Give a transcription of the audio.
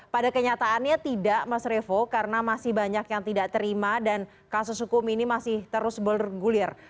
pada kenyataannya tidak mas revo karena masih banyak yang tidak terima dan kasus hukum ini masih terus bergulir